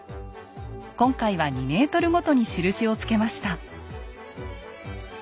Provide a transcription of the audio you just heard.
今回は２ｍごとに印をつけました。